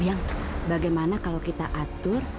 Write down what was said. yang bagaimana kalau kita atur